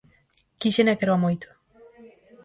Quíxena e quéroa moito.